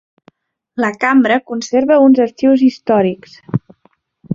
La cambra conserva uns arxius històrics.